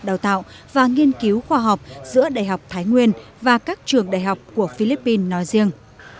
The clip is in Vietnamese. đào tạo và nghiên cứu khoa học giữa đại học thái nguyên và các trường đại học của philippines nói riêng